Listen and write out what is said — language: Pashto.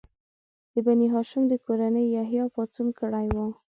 د بني هاشم د کورنۍ یحیی پاڅون کړی و.